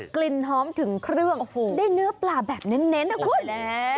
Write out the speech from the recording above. กลิ่นหอมถึงเครื่องได้เนื้อปลาแบบเน้นนะคุณ